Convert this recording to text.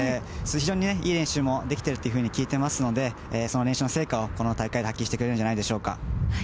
非常にいい練習もできていると聞いていますので、その練習の成果をこの大会で発揮してくれるんじゃないでしょうか。